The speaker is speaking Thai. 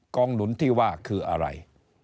งหนุนที่ว่าคืออะไร